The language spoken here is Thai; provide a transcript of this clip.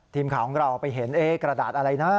ทีมข่าวของเราไปเห็นกระดาษอะไรนะ